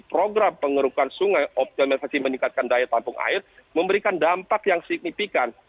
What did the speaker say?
program pengerukan sungai optimalisasi meningkatkan daya tampung air memberikan dampak yang signifikan